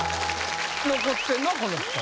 残ってんのはこの２人。